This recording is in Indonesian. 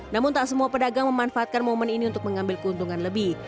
namun tak semua pedagang memanfaatkan momen ini untuk mengambil keuntungan lebih